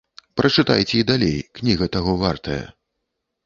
Прачытайце і далей, кніга таго вартая.